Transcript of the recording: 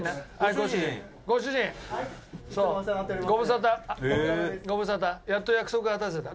長嶋：やっと約束が果たせた。